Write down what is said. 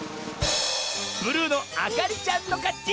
ブルーのあかりちゃんのかち！